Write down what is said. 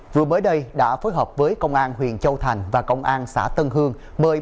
vừa mới đây đã phối hợp với công an huyện châu thành và công an xã tân hương